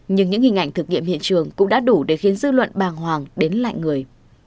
nhưng những hình ảnh thực nghiệm hiện trường cũng đã đủ để khiến dư luận bàng hoàng đến lại người